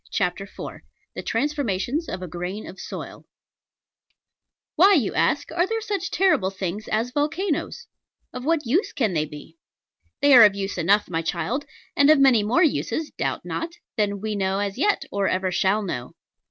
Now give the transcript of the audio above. CHAPTER IV THE TRANSFORMATIONS OF A GRAIN OF SOIL Why, you ask, are there such terrible things as volcanos? Of what use can they be? They are of use enough, my child; and of many more uses, doubt not, than we know as yet, or ever shall know.